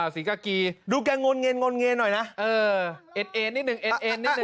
ศรีกากีดูแกงนเงียนหน่อยนะเออเอ็นนิดนึงเอ็นนิดน